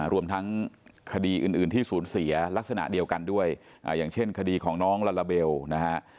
รวมทั้งคดีอื่นที่สูญเสียลักษณะเดียวกันด้วยอย่างเช่นคดีของน้องลาลาเบลนะฮะ